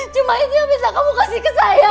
cuma ini yang bisa kamu kasih ke saya